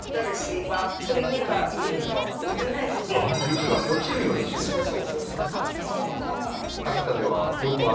雪が落ちるようにしてるってことですか？